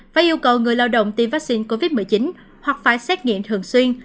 phải yêu cầu người lao động tiêm vaccine covid một mươi chín hoặc phải xét nghiệm thường xuyên